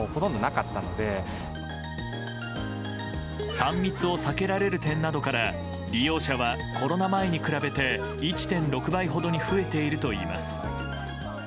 ３密を避けられる点などから利用者はコロナ前に比べて１．６倍ほどに増えているといいます。